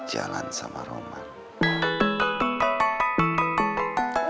jalan sama roman